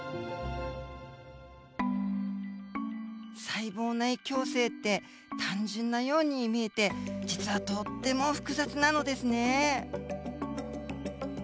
細胞内共生って単純なように見えて実はとっても複雑なのですね。